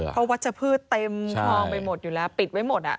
เพราะวัชพืชเต็มคลองไปหมดอยู่แล้วปิดไว้หมด